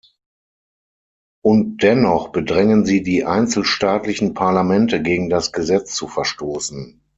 Und dennoch bedrängen Sie die einzelstaatlichen Parlamente, gegen das Gesetz zu verstoßen.